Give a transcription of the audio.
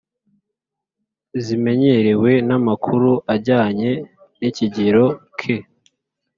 zimenyerewe n’amakuru ajyanye n’ikigero ke